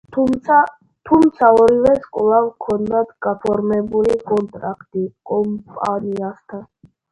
თუმცა ორივეს კვლავ ჰქონდათ გაფორმებული კონტრაქტი კომპანიასთან.